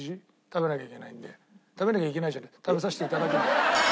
「食べなきゃいけない」じゃない食べさせて頂くんで。